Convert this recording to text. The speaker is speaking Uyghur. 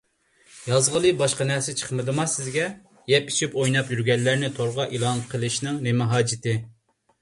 يازغىلى باشقا نەرسە چىقمىدىما سىزگە؟ يەپ-ئىچىپ ئويناپ يۈرگەنلەرنى تورغا ئېلان قىلىشنىڭ نېمە ھاجىتى؟